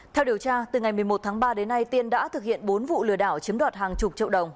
theo điều tra từ ngày một mươi một tháng ba đến nay tiên đã thực hiện bốn vụ lừa đảo chiếm đoạt hàng chục triệu đồng